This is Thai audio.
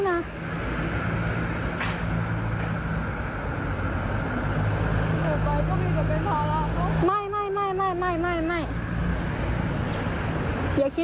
สวัสดีครับ